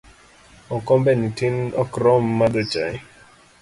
Okombe ni tin ok rom madho chai